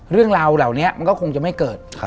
เรื่องราวเหล่านี้มันก็คงจะไม่เกิด